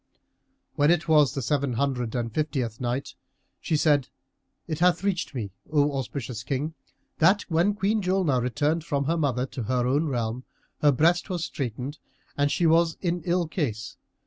When it was the Seven Hundred and Fiftieth Night, She said, It hath reached me, O auspicious King, that when Queen Julnar returned from her mother to her own realm, her breast was straitened and she was in ill case.